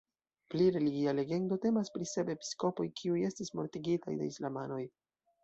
Pli religia legendo temas pri sep episkopoj kiuj estis mortigitaj de islamanoj.